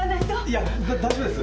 いや大丈夫です。